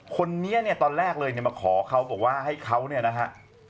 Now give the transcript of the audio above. คนนี้เนี่ยตอนแรกเลยเนี่ยมาขอเขาบอกว่าให้เขาเนี่ยนะฮะ